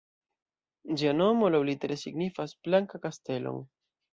Ĝia nomo laŭlitere signifas "Blanka Kastelo"-n.